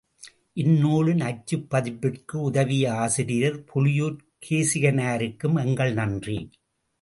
இந்நூலின் அச்சுப் பதிப்பிற்கு உதவிய ஆசிரியர் புலியூர்க் கேசிகனாருக்கும் எங்கள் நன்றி.